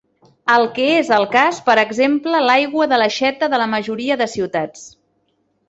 El que és el cas, per exemple l'aigua de l'aixeta de la majoria de ciutats.